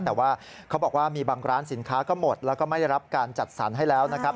แต่ว่าเขาบอกว่ามีบางร้านสินค้าก็หมดแล้วก็ไม่ได้รับการจัดสรรให้แล้วนะครับ